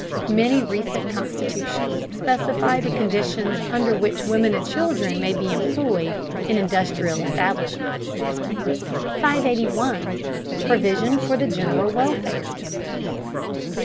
Many recent constitutions specify the conditions under which women and children may be employed in industrial establishments. 581. PROVISION FOR THE GENERAL WELFARE.